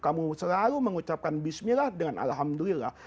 kamu selalu mengucapkan bismillah dengan alhamdulillah